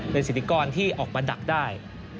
เป็นสิทธิกรที่ออกมาดักได้